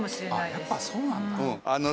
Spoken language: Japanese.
やっぱそうなんだ。